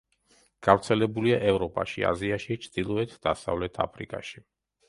გავრცელებულია ევროპაში, აზიაში, ჩრდილოეთ-დასავლეთ აფრიკაში.